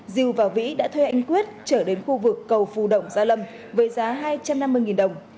diều và vĩ đã thuê anh quyết trở đến khu vực cầu phù động gia lâm với giá hai trăm năm mươi đồng